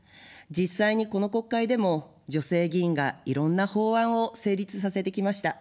実際にこの国会でも女性議員がいろんな法案を成立させてきました。